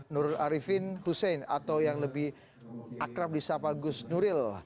nur arifin hussein atau yang lebih akrab di sapa gus nuril